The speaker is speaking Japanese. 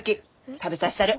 食べさしたる。